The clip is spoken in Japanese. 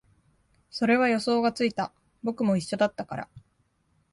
それは予想がついた、僕も一緒だったから